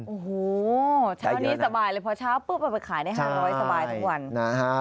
โอ้โหเช้านี้สบายเลยเพราะเช้าปุ๊บไปขายได้๕๐๐บาทสบายทุกวัน